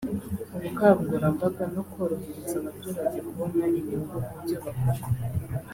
ubukangurambaga no korohereza abaturage kubona inyungu mu byo bakora